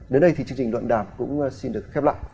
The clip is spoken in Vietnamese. đến đây thì chương trình đoạn đảm cũng xin được khép lại